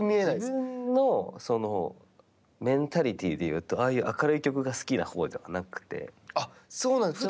自分のそのメンタリティーで言うと、ああいう明るい曲が好きなそうなんですか。